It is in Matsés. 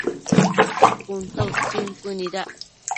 Cun ta utsin cuënuidac